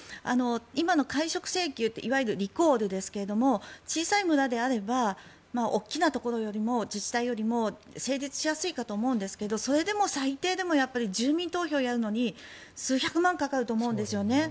今の解職請求っていわゆるリコールですが小さい村であれば大きなところよりも自治体よりも成立しやすいかと思うんですがそれでも最低でも住民投票をやるのに数百万かかると思うんですよね。